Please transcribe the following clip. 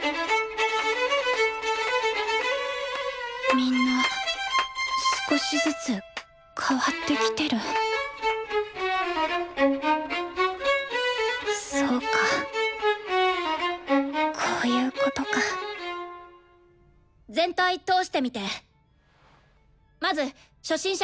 みんな少しずつ変わってきてるそうかこういうことか全体通してみてまず初心者組の３人。